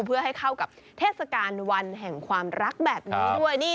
เพื่อให้เข้ากับเทศกาลวันแห่งความรักแบบนี้ด้วย